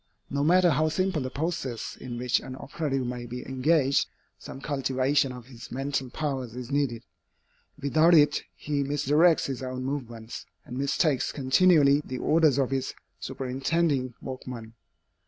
No matter how simple the process in which an operative may be engaged, some cultivation of his mental powers is needed. Without it he misdirects his own movements, and mistakes continually the orders of his superintending workman.